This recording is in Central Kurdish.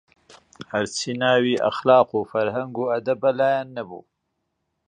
هەرچی ناوی ئەخلاق و فەرهەنگ و ئەدەبە لایان نەبوو